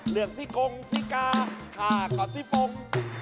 เรื่องที่กงที่กาค่าขอดที่ฟง